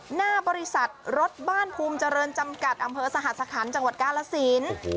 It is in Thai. หน้าบริษัทรถบ้านภูมิเจริญจำกัดอำเภอสหสคัญจังหวัดกาลสิน